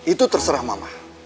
itu terserah mama